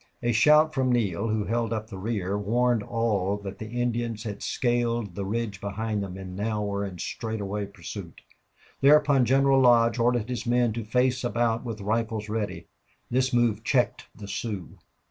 A shout from Neale, who held up the rear, warned all that the Indians had scaled the ridge behind them and now were in straightaway pursuit. Thereupon General Lodge ordered his men to face about with rifles ready. This move checked the Sioux.